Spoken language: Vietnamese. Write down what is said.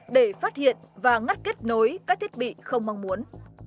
để phát hiện và ngắt kết nối các thiết bị không mong muốn